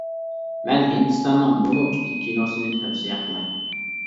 مەن ھىندىستاننىڭ مۇنۇ ئىككى كىنوسىنى تەۋسىيە قىلاي.